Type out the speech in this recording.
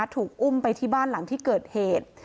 ถูกอุ้มไปที่บ้านหลังที่เกิดเหตุ